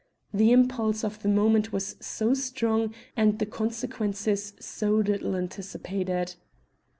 The impulse of the moment was so strong and the consequences so little anticipated!